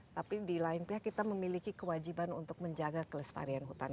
tapi di lain pihak kita memiliki kewajiban untuk menjaga kelestarian hutan